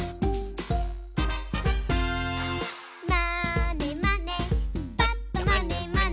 「まーねまねぱっとまねまね」